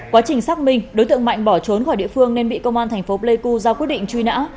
quá trình xác minh đối tượng mạnh bỏ trốn khỏi địa phương nên bị công an thành phố pleiku ra quyết định truy nã